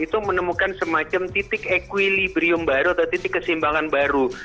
itu menemukan semacam titik equilibrium baru atau titik kesimbangan baru